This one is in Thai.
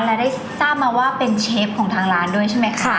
และได้ทราบมาว่าเป็นเชฟของทางร้านด้วยใช่ไหมคะ